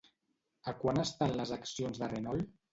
A quant estan les accions de Renault?